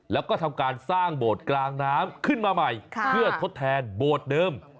แล้วก็ทำการสร้างโบสถ์กลางน้ำขึ้นมาใหม่เพื่อทดแทนโบสถ์เดิม